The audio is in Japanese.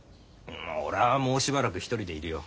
俺はもうしばらく独りでいるよ。